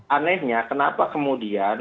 anehnya kenapa kemudian